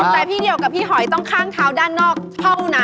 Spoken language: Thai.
แต่พี่เดียวกับพี่หอยต้องข้างเท้าด้านนอกเท่านั้น